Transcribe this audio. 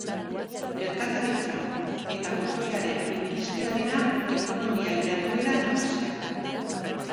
Merkataritza eta kotoiaren industria dira ekonomia-jarduera nagusiak.